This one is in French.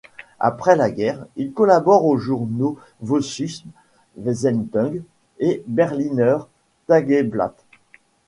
Après la guerre il collabore aux journaux Vossische Zeitung et Berliner Tageblatt.